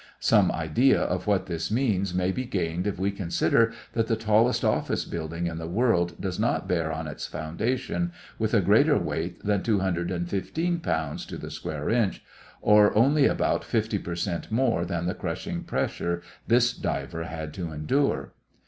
Some idea of what this means may be gained if we consider that the tallest office building in the world does not bear on its foundations with a greater weight than 215 pounds to the square inch or only about 50 per cent more than the crushing pressure this diver had to endure.